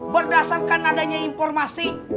berdasarkan adanya informasi